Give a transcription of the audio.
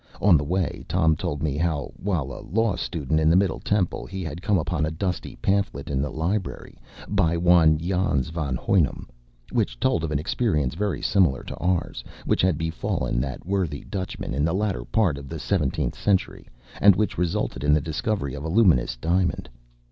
On the way, Tom told me how, while a law student in the Middle Temple, he had come upon a dusty pamphlet in the library, by one Jans van Hounym, which told of an experience very similar to ours, which had befallen that worthy Dutchman in the latter part of the seventeenth century, and which resulted in the discovery of a luminous diamond.